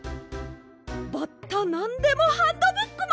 「バッタなんでもハンドブック」まで！